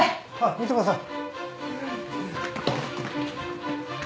見てください。